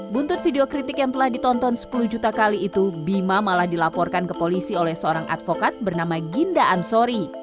buntut video kritik yang telah ditonton sepuluh juta kali itu bima malah dilaporkan ke polisi oleh seorang advokat bernama ginda ansori